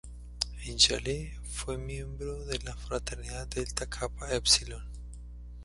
En Yale fue miembro de la fraternidad Delta Kappa Epsilon.